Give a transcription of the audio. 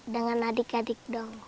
dengan adik adik dong